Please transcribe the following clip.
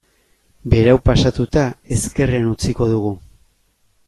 Berau pasatuta ezkerrean utziko dugu.